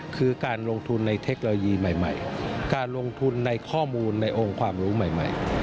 คือการลงทุนในเทคโนโลยีใหม่การลงทุนในข้อมูลในองค์ความรู้ใหม่